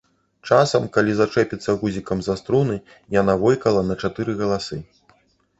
Часам, калі зачэпіцца гузікам за струны, яна войкала на чатыры галасы.